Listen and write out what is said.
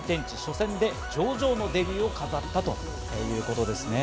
新天地初戦で上々のデビューを飾ったということですね。